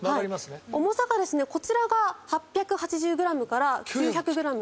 重さがですね、こちらが８８０グラムから９００グラム。